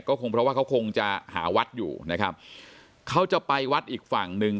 คงเพราะว่าเขาคงจะหาวัดอยู่นะครับเขาจะไปวัดอีกฝั่งหนึ่ง